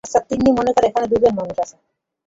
আচ্ছা তিন্নি, মনে কর এখানে দু জন মানুষ আছে।